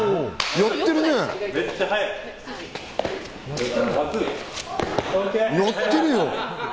やってるよ。